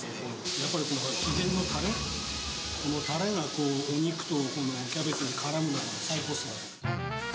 やっぱりこの秘伝のたれ、このたれがお肉とキャベツにからむのが、最高っすね。